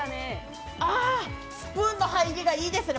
あ、スプーンの入りがいいですね